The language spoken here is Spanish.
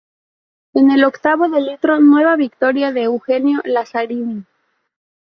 En el octavo de litro, nueva victoria de Eugenio Lazzarini.